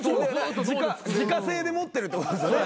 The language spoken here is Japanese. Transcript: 自家製で持ってるってことですよね